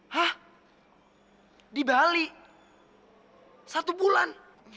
hah di bali satu bulan